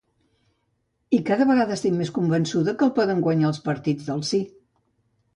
I cada vegada estic més convençuda que el poden guanyar els partidaris del sí.